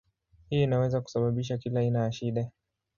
Hii inaweza kusababisha kila aina ya shida.